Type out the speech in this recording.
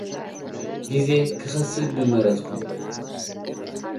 ግዜ ክኸስብ ምመረጽኩ።